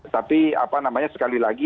tapi sekali lagi